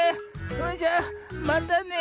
それじゃまたね。